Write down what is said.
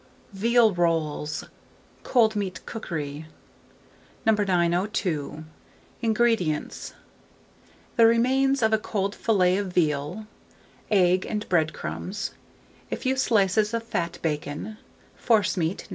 VEAL ROLLS (Cold Meat Cookery). 902. INGREDIENTS. The remains of a cold fillet of veal, egg and bread crumbs, a few slices of fat bacon, forcemeat No.